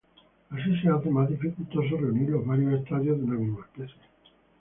Así se hace más dificultoso reunir los varios estadios de una misma especie.